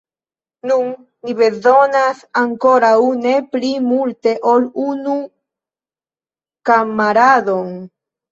Nun ni bezonas ankoraŭ ne pli multe ol unu kamaradon!